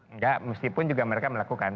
enggak meskipun juga mereka melakukan